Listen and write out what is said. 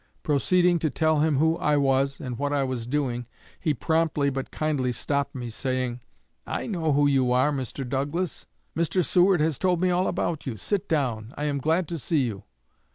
Proceeding to tell him who I was and what I was doing, he promptly but kindly stopped me, saying: 'I know who you are, Mr. Douglass; Mr. Seward has told me all about you. Sit down; I am glad to see you.'